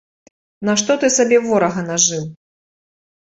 Нашто ты сабе ворага нажыў?